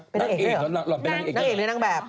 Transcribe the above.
เป็นนางเอกด้วยหรอนางเอกหรือนางแบบ